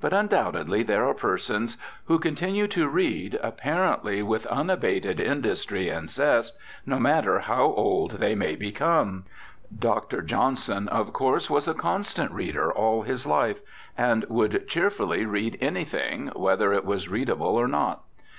But, undoubtedly there are persons who continue to read, apparently with unabated industry and zest, no matter how old they may become. Dr. Johnson, of course, was a constant reader all his life, and would cheerfully read anything whether it was readable or not.